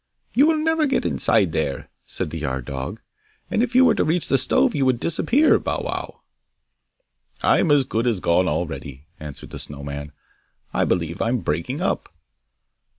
'You will never get inside there!' said the yard dog; 'and if you were to reach the stove you would disappear. Bow wow!' 'I'm as good as gone already!' answered the Snow man. 'I believe I'm breaking up!